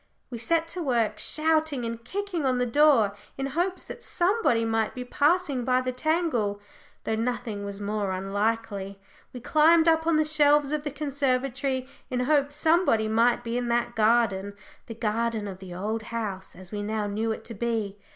We set to work shouting and kicking on the door, in hopes that somebody might be passing by the tangle, though nothing was more unlikely. We climbed up on the shelves of the conservatory, in hopes somebody might be in that garden the garden of the old house, as we now knew it to be.